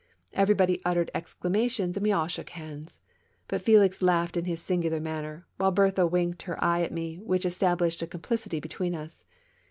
Everybody uttered exclamations and we all shook hands. But Felix laughed in his singular manner; while Berthe winked her eye at me, which established a complicity between us.